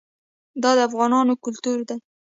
دا د افغانانو کلتور دی.